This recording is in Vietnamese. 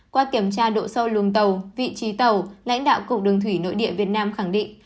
qua kiểm tra độ sâu luồng tàu vị trí tàu lãnh đạo cục đường thủy nội địa việt nam khẳng định